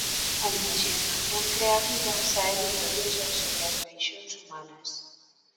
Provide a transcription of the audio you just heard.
A imaxinación creativa sae vitoriosa sobre as paixóns humanas.